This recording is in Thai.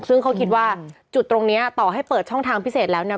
ซึ่งเขาคิดว่าจุดตรงนี้ต่อให้เปิดช่องทางพิเศษแล้วเนี่ย